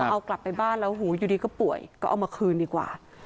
เอากลับไปบ้านแล้วหูอยู่ดีก็ป่วยก็เอามาคืนดีกว่า